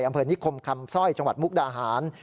อำเภอนิคมคำสร้อยจังหวัดมุกดาหาร